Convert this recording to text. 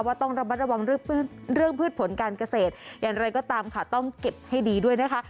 ต้องระมัดระวังเรื่องพืชผลการเกษตรอย่างไรก็ตามค่ะต้องเก็บให้ดีด้วยนะคะ